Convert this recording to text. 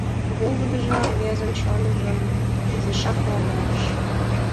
Волгыдыжо рвезын чонжым изишак куандарыш.